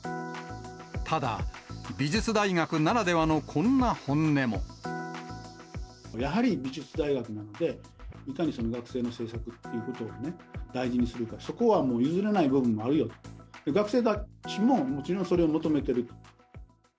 ただ、美術大学ならではのこんなやはり美術大学なので、いかに学生の制作ってことをね、大事にするか、そこはもう譲れない部分もあるよ、学生たちも、もちろんそれを求めてる。